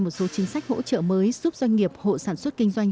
một số chính sách hỗ trợ mới giúp doanh nghiệp hộ sản xuất kinh doanh